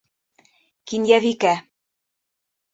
Кинйәбикә.